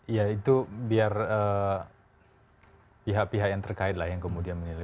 ya itu biar pihak pihak yang terkait lah yang kemudian menilai